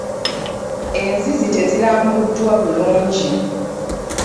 Enzizi tezirambuddwa bulungi.